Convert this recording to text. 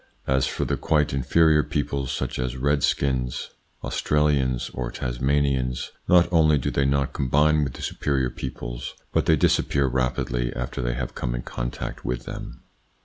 As for the quite inferior peoples, such as Redskins, Australians, or Tasmanians, not only do they not combine with the superior peoples, but they dis appear rapidly after they have come in contact with them.